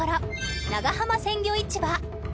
長浜鮮魚市場